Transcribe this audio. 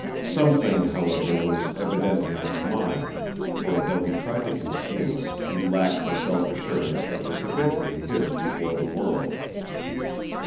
Something, however, was evidently on his mind, for, though he tried to conceal it, he lacked the self assurance that was habitually his before the world.